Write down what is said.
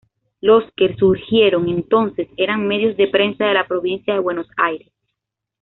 Los que surgieron entonces eran medios de prensa de la Provincia de Buenos Aires.